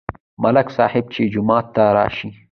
ملک صاحب چې جومات ته راشي،